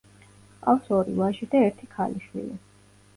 ჰყავს ორი ვაჟი და ერთი ქალიშვილი.